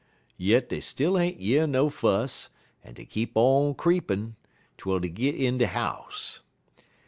Yit dey still ain't year no fuss, en dey keep on creepin' twel dey git in de house.